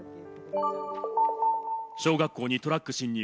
小学校にトラック侵入。